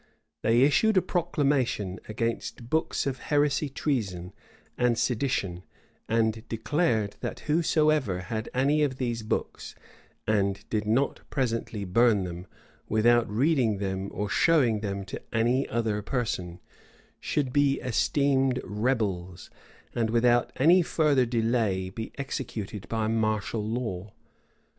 They issued a proclamation against books of heresy treason, and sedition, and declared, "that whosoever had any of these books, and did not presently burn them, without reading them or showing them to any other person, should be esteemed rebels, and without any further delay be executed by martial law."